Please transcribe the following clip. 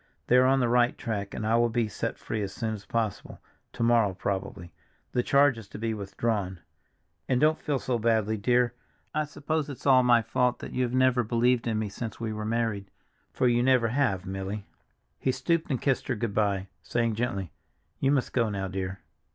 They are on the right track and I will be set free as soon as possible, to morrow, probably; the charge is to be withdrawn. And don't feel so badly, dear, I suppose it's all my fault that you have never believed in me since we were married—for you never have, Milly." He stooped and kissed her good by, saying gently, "You must go now, dear."